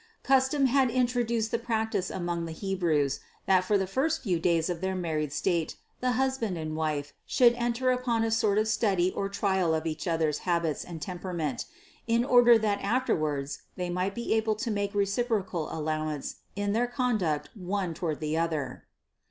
Custom had introduced the practice among the Hebrews, that for the first few days of their married state the husband and wife should enter upon a sort of study or trial of each others' habits and temperament, in order that afterwards THE CONCEPTION 579 they might be able to make reciprocal allowance in their conduct one toward the other.